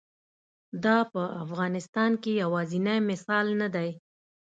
دا په افغانستان کې یوازینی مثال نه دی.